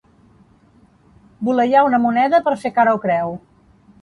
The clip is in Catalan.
Voleiar una moneda per fer cara o creu.